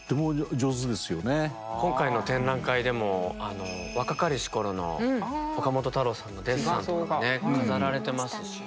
今回の展覧会でも若かりし頃の岡本太郎さんのデッサンとかがね飾られてますしね。